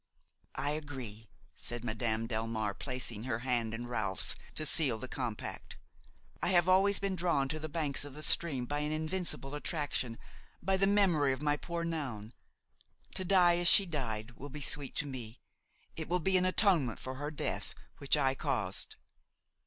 "I agree," said Madame Delmare, placing her hand in Ralph's to seal the compact. "I have always been drawn to the banks of the stream by an invincible attraction, by the memory of my poor Noun. To die as she died will be sweet to me; it will be an atonement for her death, which I caused."